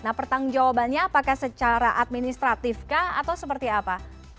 nah pertanggung jawabannya apakah secara administratif kah atau seperti apa